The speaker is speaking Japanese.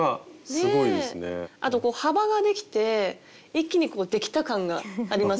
あとこう幅ができて一気にできた感がありますね。